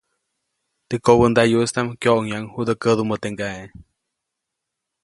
Teʼ kobändayuʼistaʼm kyoʼŋyajuʼuŋ judä kädumä teʼ ŋgaʼe.